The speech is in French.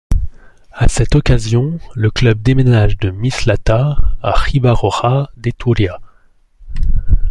À cette occasion, le club déménage de Mislata à Riba-roja de Túria.